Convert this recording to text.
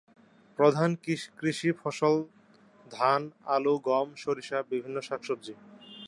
প্রধান কৃষি ফসল ধান, আলু, গম, সরিষা, বিভিন্ন শাকসবজি।